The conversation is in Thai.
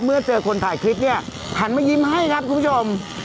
เมื่อเจอคนถ่ายคลิปเนี่ยหันมายิ้มให้ครับคุณผู้ชม